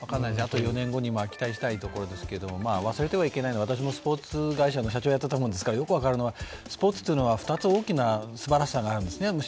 あと４年後に期待したいところですけど、忘れてはいけないのは、私もスポーツ会社の社長をやっていたものですからよく分かるのは、スポーツというのは２つ大きなすばらしさがあるんですね。